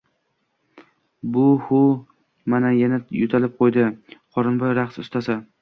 Bu-hu, mana yana yo`talib qo`ydi qorinboy raqs ustasi